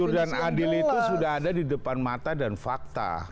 jujur dan adil itu sudah ada di depan mata dan fakta